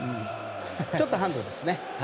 ちょっとハンドですね。